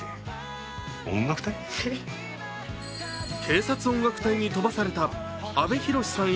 警察音楽隊に飛ばされた阿部寛さん